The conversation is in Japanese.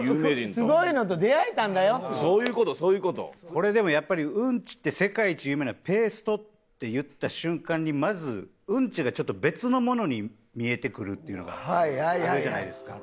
これでもやっぱり「うんちって世界一有名なペースト」って言った瞬間にまずうんちがちょっと別のものに見えてくるっていうのがあるじゃないですか。